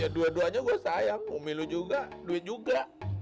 ya dua duanya gua sayang umilu juga duit juga